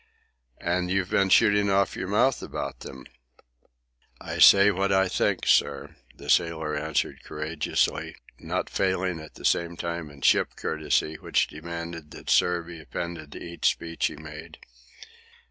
"And you've been shooting off your mouth about them." "I say what I think, sir," the sailor answered courageously, not failing at the same time in ship courtesy, which demanded that "sir" be appended to each speech he made.